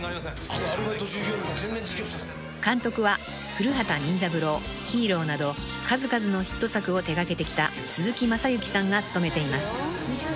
［監督は『古畑任三郎』『ＨＥＲＯ』など数々のヒット作を手掛けてきた鈴木雅之さんが務めています］